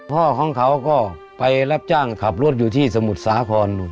พ่อของเขาก็ไปรับจ้างขับรถอยู่ที่สมุทรสาคร